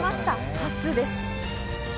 初です。